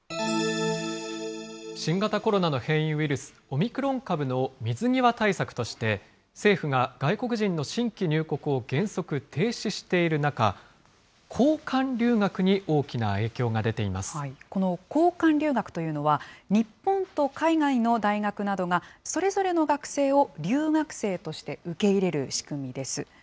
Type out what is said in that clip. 新型コロナの変異ウイルス、オミクロン株の水際対策として、政府が外国人の新規入国を原則、停止している中、交換留学に大きこの交換留学というのは、日本と海外の大学などが、それぞれの学生を留学生として受け入れる仕組みです。